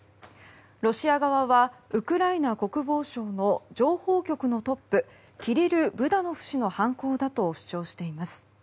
ロシア側はウクライナ国防省の情報局のトップキリロ・ブダノフ氏の犯行だと主張しています。